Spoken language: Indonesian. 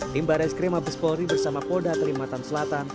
di baris krim mabes polri bersama polda kalimantan selatan